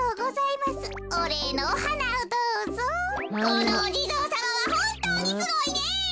このおじぞうさまはほんとうにすごいね。